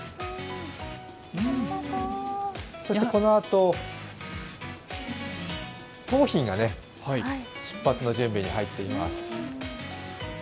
そしてこのあと、桃浜が出発の準備に入っています。